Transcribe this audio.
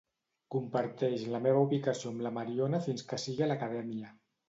Comparteix la meva ubicació amb la Mariona fins que sigui a l'acadèmia.